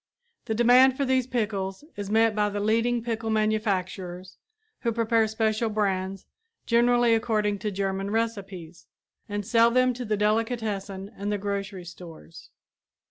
The demand for these pickles is met by the leading pickle manufacturers who prepare special brands, generally according to German recipes, and sell them to the delicatessen and the grocery stores.